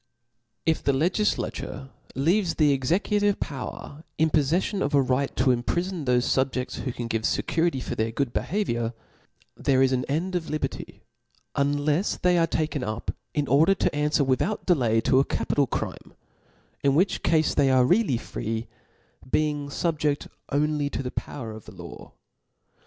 If the legidature leaves the executive power in poflefllon of a right to imprifon thoie fubjefb^ who can give fecurity for their good behaviouri there is an end of liberty ; unlefs they are taken up, in order to anfwer without delay to a capital crime % in which cafe they are really free, being fubjed on ly to the power of the law.